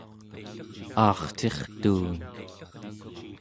aarcirtuun